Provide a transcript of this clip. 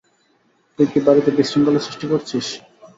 তুই কি বাড়িতে বিশৃঙ্খলা সৃষ্টি করছিস?